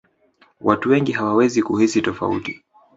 watu wengi hawawezi kuhisi tofauti